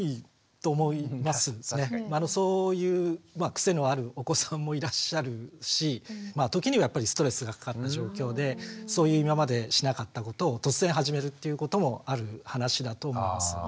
そういうまあ癖のあるお子さんもいらっしゃるし時にはやっぱりストレスがかかった状況でそういう今までしなかったことを突然始めるっていうこともある話だと思います。